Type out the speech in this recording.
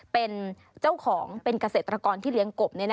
เป็นเจ้าของเป็นเกษตรกรที่เลี้ยงกบ